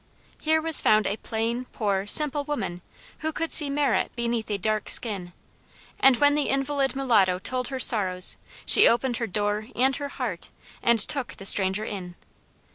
Here was found a plain, poor, simple woman, who could see merit beneath a dark skin; and when the invalid mulatto told her sorrows, she opened her door and her heart, and took the stranger in.